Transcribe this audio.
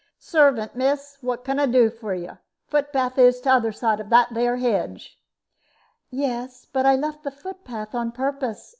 "Servant, miss. What can I do for you? Foot path is t'other side of that there hedge." "Yes, but I left the foot path on purpose.